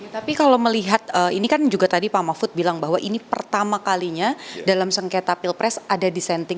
tapi kalau melihat ini kan juga tadi pak mahfud bilang bahwa ini pertama kalinya dalam sengketa pilpres ada dissenting